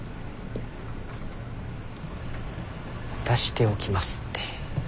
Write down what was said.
渡しておきますって。